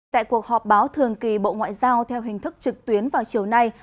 tại cuộc họp báo thường kỳ bộ ngoại giao theo hình thức trực tuyến vào chiều nay